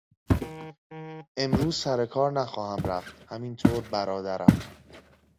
امروز سر کار نخواهم رفت، همین طور برادرم.